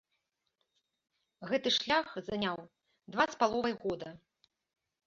Гэты шлях заняў два з паловай года.